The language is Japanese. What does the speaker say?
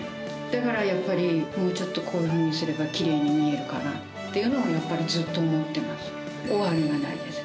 だからやっぱり、もうちょっとこういうふうにすればきれいに見えるかなっていうのは、やっぱりずっと思っています。